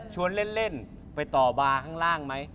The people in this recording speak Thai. เล่นไปต่อบาร์ข้างล่างไหม